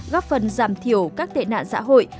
góp phần giảm thiểu các tệ nạn xã hội